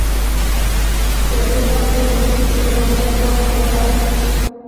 Што вы там прыносіце яму ў ахвяру?